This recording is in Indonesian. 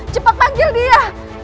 cepat panggil dia